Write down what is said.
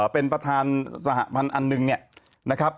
เป็นประธานสหพันธ์อันหนึ่งเนี่ยนะครับ